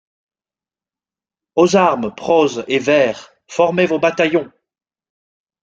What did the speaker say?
Aux armes, prose et vers ! formez vos bataillons !